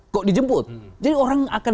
kok dijemput jadi orang akan